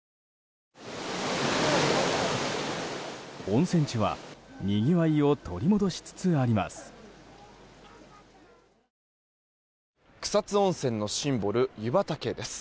温泉地は、にぎわいを取り戻しつつあります。